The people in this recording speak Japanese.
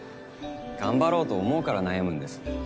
頑張ろうと思うから悩むんです。